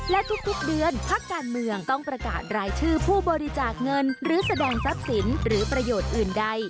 และทุกเดือนพักการเมืองต้องประกาศรายชื่อผู้บริจาคเงินหรือแสดงทรัพย์สินหรือประโยชน์อื่นใด